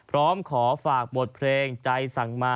พร้อมขอฝากบทเพลงใจสั่งมา